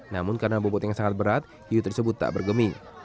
namun karena bobot yang sangat berat hiu tersebut tak bergemi